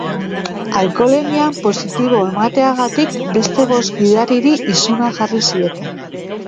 Alkoholemian positibo emateagatik beste bost gidariri isuna jarri zieten.